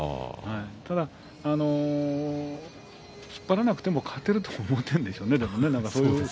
ただ突っ張らなくても勝てると思ってるでしょうね。